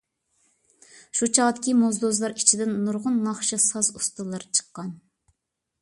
شۇ چاغدىكى موزدۇزلار ئىچىدىن نۇرغۇن ناخشا ساز ئۇستىلىرى چىققان.